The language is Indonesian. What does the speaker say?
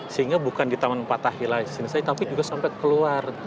sehingga bukan di taman empatahila disini saja tapi juga sampai keluar